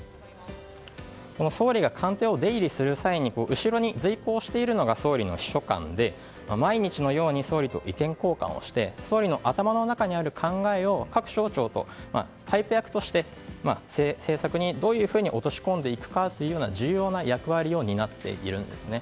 総理が官邸を出入りする際に後ろに随行しているのが総理の秘書官で毎日のように総理と意見交換をして総理の頭の中にある考えを各省庁とのパイプ役として、政策にどういうふうに落とし込んでいくかというような重要な役割を担っているんですね。